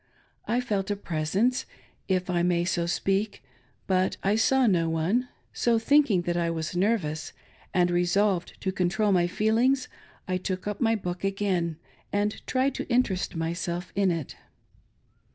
I felt a " Presence," if I may so speak, but I saw no one. So, thinking that I was nervous, and resolved to control ttiy feelings, I took up my book again and tried to interest myself in it.